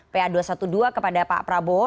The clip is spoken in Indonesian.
pa dua ratus dua belas kepada pak prabowo